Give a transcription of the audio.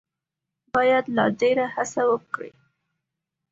باید لا ډېره هڅه وکړي.